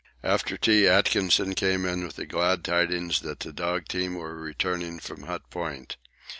After tea Atkinson came in with the glad tidings that the dog team were returning from Hut Point.